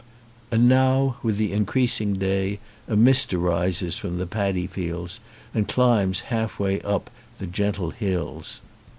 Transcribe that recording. And now with the increasing day a mist arises from the padi fields and climbs half way up the gentle hills.